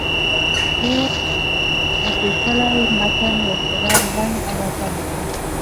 اوږد اوپیچلی متن ورسره لنډ او آسانه کړم.